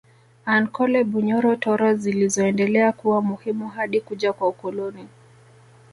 Ankole Bunyoro Toro zilizoendelea kuwa muhimu hadi kuja kwa ukoloni